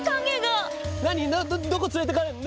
どこ連れてかれるの。